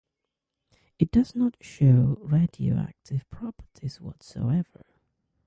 It does not show radioactive properties whatsoever.